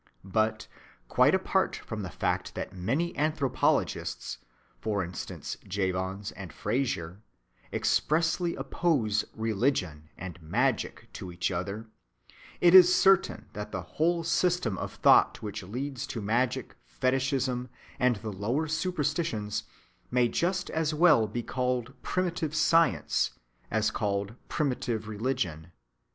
But, quite apart from the fact that many anthropologists—for instance, Jevons and Frazer—expressly oppose "religion" and "magic" to each other, it is certain that the whole system of thought which leads to magic, fetishism, and the lower superstitions may just as well be called primitive science as called primitive religion.